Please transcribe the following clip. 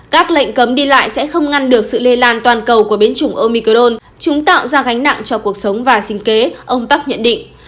các lệnh cấm đi lại sẽ không ngăn được sự lây lan toàn cầu của biến chủng omicron chúng tạo ra gánh nặng cho cuộc sống và sinh kế ông park nhận định